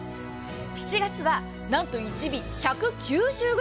７月は何と１尾１９０ｇ